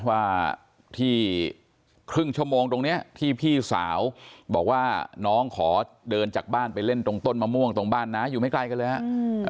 ว่าที่ครึ่งชั่วโมงตรงนี้ที่พี่สาวบอกว่าน้องขอเดินจากบ้านไปเล่นตรงต้นมะม่วงตรงบ้านน้าอยู่ไม่ไกลกันเลยครับ